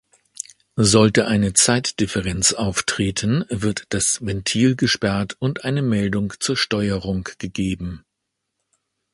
Sollte eine Zeitdifferenz auftreten, wird das Ventil gesperrt und eine Meldung zur Steuerung gegeben.